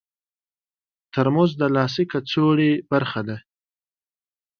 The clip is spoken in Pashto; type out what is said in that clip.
ترموز د لاسي کڅوړې برخه ده.